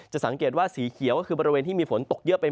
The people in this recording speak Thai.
สังเกตว่าสีเขียวก็คือบริเวณที่มีฝนตกเยอะเป็น